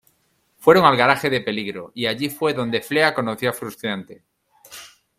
Fueron al garaje de Peligro, y allí fue donde Flea conoció a Frusciante.